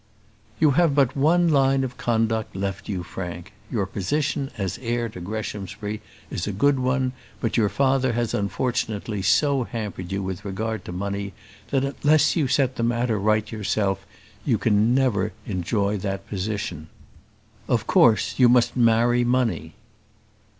"You have but one line of conduct left you, Frank: your position, as heir to Greshamsbury, is a good one; but your father has unfortunately so hampered you with regard to money, that unless you set the matter right yourself, you can never enjoy that position. Of course you must marry money."